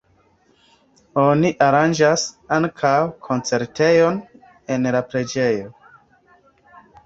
Oni aranĝas ankaŭ koncertojn en la preĝejo.